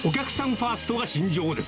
ファーストが信条です！